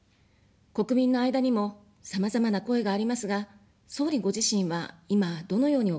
国民の間にも、さまざまな声がありますが、総理ご自身は今どのようにお考えでしょうか。